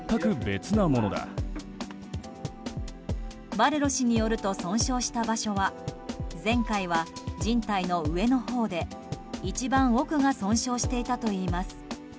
バレロ氏によると損傷した場所は前回は、じん帯の上のほうで一番奥が損傷していたといいます。